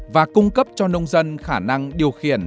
và cung cấp cho nông dân khả năng điều khiển